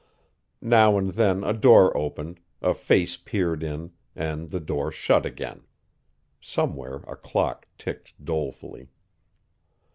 Now and then a door opened, a face peered in and the door shut again. Somewhere a clock ticked dolefully.